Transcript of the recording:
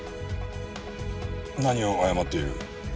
何を謝っている？